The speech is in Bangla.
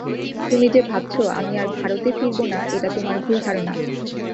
তুমি যে ভাবছ, আমি আর ভারতে ফিরব না, এটা তোমার ভুল ধারণা।